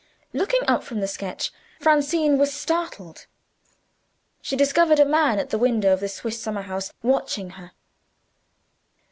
Looking up from the sketch, Francine was startled. She discovered a man, at the window of the Swiss summer house, watching her.